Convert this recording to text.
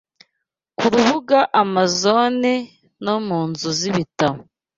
ku rubuga Amazon no mu nzu z’ibitabo